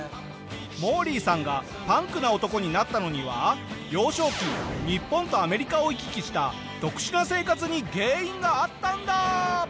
モーリーさんがパンクな男になったのには幼少期日本とアメリカを行き来した特殊な生活に原因があったんだ！